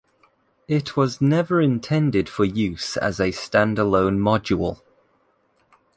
It was never intended for use as a stand alone module.